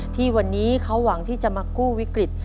ที่วันนี้เขาหวังที่จะมากู้วิกฤต